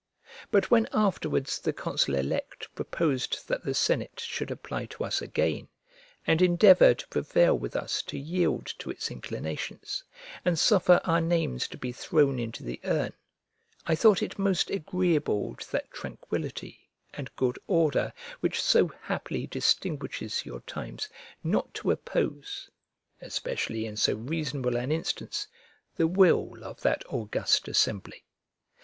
But when afterwards the consul elect proposed that the senate should apply to us again, and endeavour to prevail with us to yield to its inclinations, and suffer our names to be thrown into the urn, I thought it most agreeable to that tranquillity and good order which so happily distinguishes your times not to oppose (especially in so reasonable an instance) the will of that august assembly.